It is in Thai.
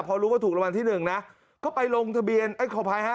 พอรู้ว่าถูกรางวัลที่หนึ่งนะก็ไปลงทะเบียนขออภัยฮะ